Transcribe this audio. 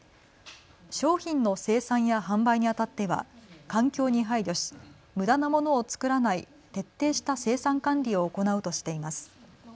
商品の生産や販売にあたっては環境に配慮しむだなものを作らない徹底した生産管理を行うとしています。